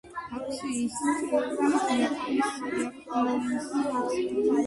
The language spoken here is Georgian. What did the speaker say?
აქვს ისტორიკოს–იაპონიისმცოდნის დიპლომი.